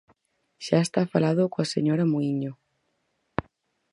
Xa está falado coa señora Muíño.